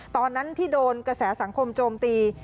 ตอนนั้นที่โดนกระแสสังคมโจมตี